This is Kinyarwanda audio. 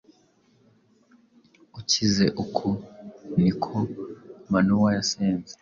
ukize Uku ni ko Manowa yasenze.